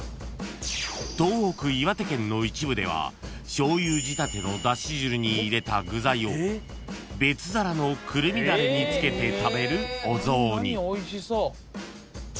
［しょうゆ仕立てのだし汁に入れた具材を別皿のくるみだれに付けて食べるお雑煮］